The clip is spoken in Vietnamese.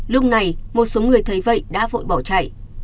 lúc này một số người thấy vậy đã vội bỏ chạy